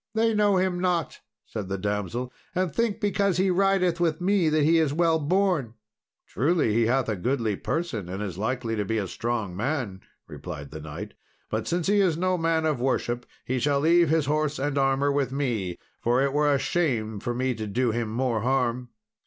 "They know him not," said the damsel, "and think, because he rideth with me, that he is well born." "Truly, he hath a goodly person, and is likely to be a strong man," replied the knight; "but since he is no man of worship, he shall leave his horse and armour with me, for it were a shame for me to do him more harm."